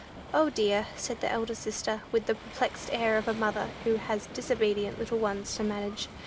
"O, dear," said the eldest sister, with the perplexed air of a mother who has disobedient little ones to manage.